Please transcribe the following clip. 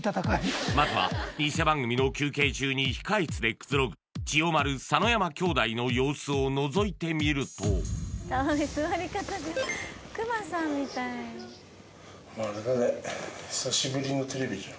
まずはニセ番組の休憩中に控室でくつろぐ千代丸佐ノ山兄弟の様子をのぞいてみるとまああれだね